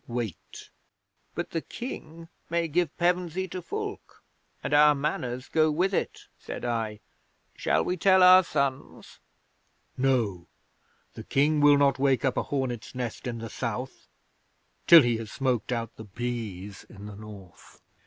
Wait." '"But the King may give Pevensey to Fulke. And our Manors go with it," said I. "Shall we tell our sons?" '"No. The King will not wake up a hornets' nest in the South till he has smoked out the bees in the North.